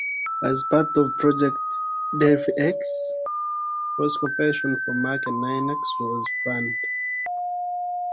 As part of project Delphi "X" cross compilation for Mac and Linux was planned.